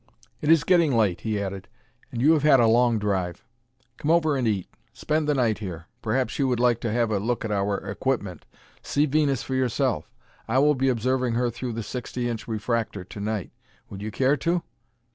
"It is getting late," he added, "and you have had a long drive. Come over and eat; spend the night here. Perhaps you would like to have a look at our equipment see Venus for yourself. I will be observing her through the sixty inch refractor to night. Would you care to?"